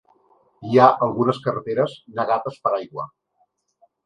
Hi ha algunes carreteres negades per l’aigua.